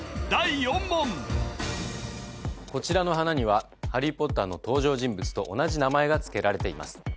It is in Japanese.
第４問こちらの花には「ハリー・ポッター」の登場人物と同じ名前がつけられています